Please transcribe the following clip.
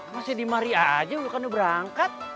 masih dimari aja lu kan udah berangkat